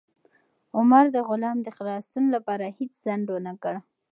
عمر د غلام د خلاصون لپاره هیڅ ځنډ ونه کړ.